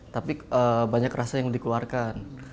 tapi banyak rasa yang dikeluarkan